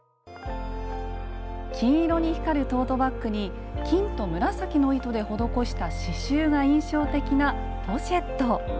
金色に光るトートバッグに金と紫の糸で施した刺しゅうが印象的なポシェット。